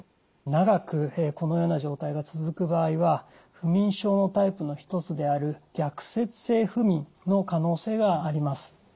長くこのような状態が続く場合は不眠症のタイプの一つである逆説性不眠の可能性があります。